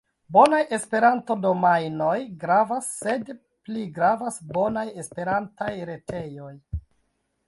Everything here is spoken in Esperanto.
Bonaj Esperanto-domajnoj gravas, sed pli gravas bonaj Esperantaj retejoj.